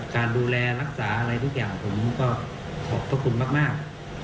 การดูแลรักษาอะไรทุกอย่างผมก็ขอบพระคุณมาก